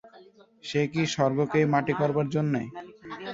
সে কি স্বর্গকেই মাটি করবার জন্যে?